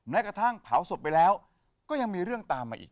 กระทั่งเผาศพไปแล้วก็ยังมีเรื่องตามมาอีก